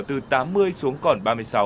từ tám mươi xuống còn ba mươi sáu